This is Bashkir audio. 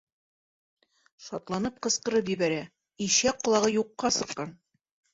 Шатланып ҡысҡырып ебәрә: ишәк ҡолағы юҡҡа сыҡҡан!